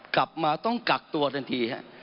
กลับมาต้องกักตัวทันทีฮะ